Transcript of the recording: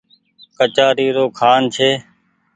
ڪچآري رو کآن ڇي۔